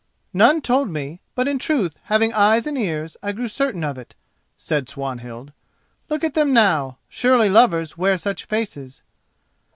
"None told me, but in truth, having eyes and ears, I grew certain of it," said Swanhild. "Look at them now: surely lovers wear such faces."